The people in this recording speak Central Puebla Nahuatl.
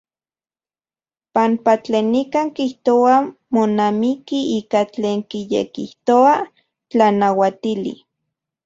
Panpa tlen nikan kijtoa monamiki ika tlen kiyekijtoa tlanauatili.